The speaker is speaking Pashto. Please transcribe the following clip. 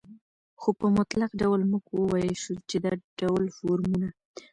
خو په مطلق ډول موږ وويلى شو، چې دا ډول فورمونه